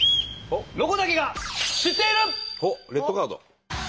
おっレッドカード。